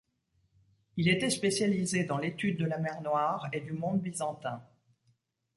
Il était spécialisé dans l'étude de la mer Noire et du monde byzantin.